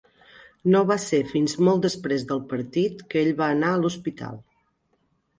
No va ser fins molt després del partit que ell va anar a l'hospital.